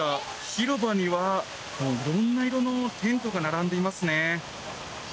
広場には色んな色のテントが並んでいますね。